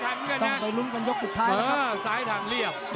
ต้องไปรุ่นกันยกสุดท้ายนะครับซ้ายทางเรียบ